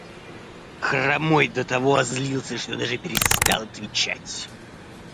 Хромой до того озлился, что даже перестал отвечать.